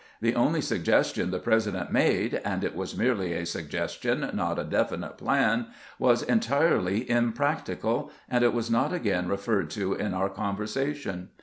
The only suggestion the President made — and it was merely a suggestion, not a definite plan — was en tirely impracticable, and it was not again referred to in our conversations.